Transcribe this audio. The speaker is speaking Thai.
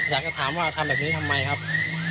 อยากจะถามว่าทำแบบนี้ทำไมครับ